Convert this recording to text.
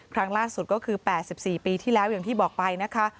ครั้งล่าสุดก็คือ๘๔ปีที่แล้วอย่างที่บอกไปนะคะ